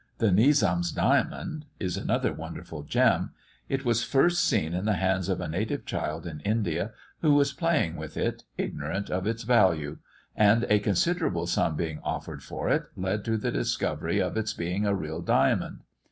"The Nizam's Diamond" is another wonderful gem: it was first seen in the hands of a native child in India, who was playing with it, ignorant of its value; and a considerable sum being offered for it, led to the discovery of its being a real diamond.